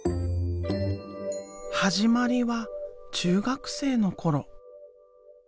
始まりは中学生の頃。